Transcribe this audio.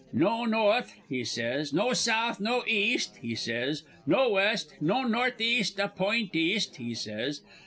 'No north,' he says, 'no south, no east,' he says, 'no west. No north east a point east,' he says.